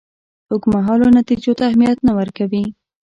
اوږدمهالو نتیجو ته اهمیت نه ورکوي.